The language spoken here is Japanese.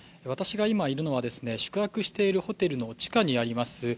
私が今いるのは宿泊しているホテルの地下にあります